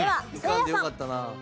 いかんでよかったな。